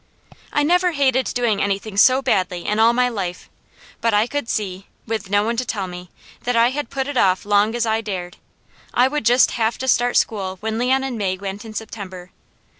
I never hated doing anything so badly, in all my life, but I could see, with no one to tell me, that I had put it off as long as I dared. I would just have to start school when Leon and May went in September.